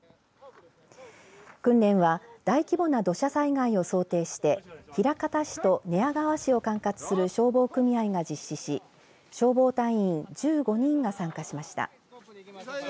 訓練は大規模な土砂災害を想定して枚方市と寝屋川市を管轄する消防組合が実施し消防隊員１５人が参加しました。